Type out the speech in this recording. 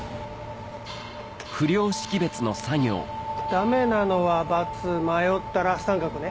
ダメなのはバツ迷ったら三角ね。